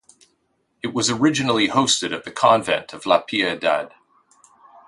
It was originally hosted at the Convent of La Piedad.